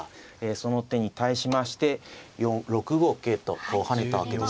その手に対しまして６五桂とこう跳ねたわけですね。